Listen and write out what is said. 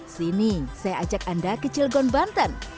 sini saya ajak anda ke cilgon banten